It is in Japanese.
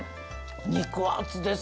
肉厚でさ。